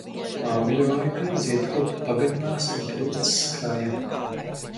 Augļu laikā ziedkopa pagarinās un kļūst skraja.